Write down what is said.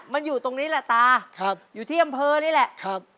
มันอยู่ตรงนี้แหละตาครับอยู่ที่อำเภอนี่แหละครับ